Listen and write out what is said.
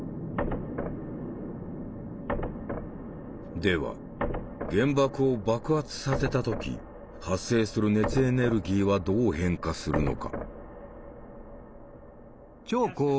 では原爆を爆発させた時発生する熱エネルギーはどう変化するのか。